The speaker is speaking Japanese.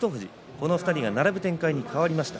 この２人が並ぶ展開に変わりました。